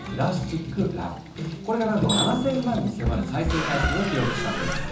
これがなんと７，０００万に迫る再生回数を記録したんです。